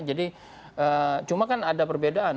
jadi cuma kan ada perbedaan